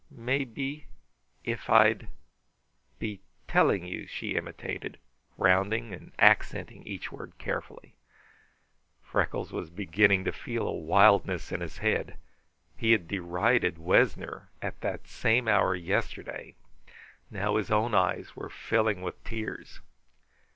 'Maybe if I'd be telling you,'" she imitated, rounding and accenting each word carefully. Freckles was beginning to feel a wildness in his head. He had derided Wessner at that same hour yesterday. Now his own eyes were filling with tears.